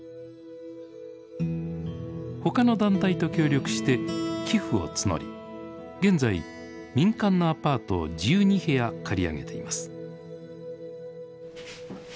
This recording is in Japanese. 他の団体と協力して寄付を募り現在民間のアパートを１２部屋借り上げています。